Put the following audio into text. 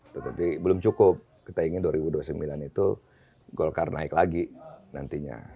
tetapi belum cukup kita ingin dua ribu dua puluh sembilan itu golkar naik lagi nantinya